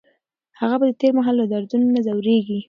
هغه به د تېر مهال له دردونو نه ځوریږي.